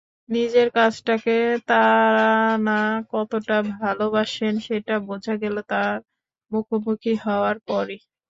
নিজের কাজটাকে তারানা কতটা ভালোবাসেন সেটা বোঝা গেল তাঁর মুখোমুখি হওয়ার পরই।